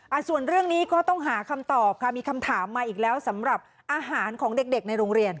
ส่วนเรื่องนี้ก็ต้องหาคำตอบค่ะมีคำถามมาอีกแล้วสำหรับอาหารของเด็กเด็กในโรงเรียน